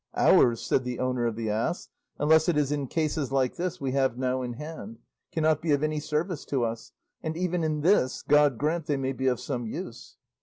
'Ours,' said the owner of the ass, 'unless it is in cases like this we have now in hand, cannot be of any service to us, and even in this God grant they may be of some use.